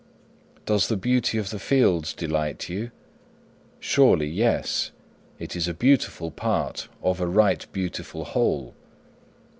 'Does the beauty of the fields delight you? Surely, yes; it is a beautiful part of a right beautiful whole.